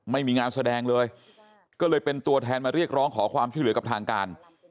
ไม่มีงานแสดงเลยก็เลยเป็นตัวแทนมาเรียกร้องขอความช่วยเหลือกับทางการ